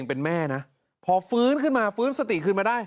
เป็นแม่นะพอฟื้นขึ้นมาฟื้นสติขึ้นมาได้